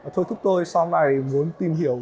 thối thúc tôi sau này muốn tìm hiểu